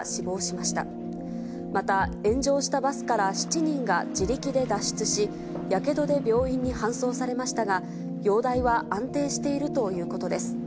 また、炎上したバスから７人が自力で脱出し、やけどで病院に搬送されましたが、容体は安定しているということです。